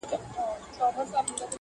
کوډي منتر سوځوم -